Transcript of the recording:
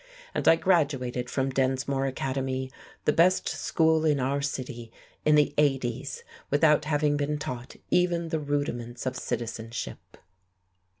And I graduated from Densmore Academy, the best school in our city, in the 80's, without having been taught even the rudiments of citizenship.